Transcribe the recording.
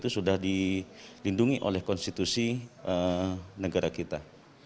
sudah dilindungi oleh konstitusi negara kita